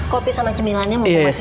kopi sama cemilannya mau masuk keanas ya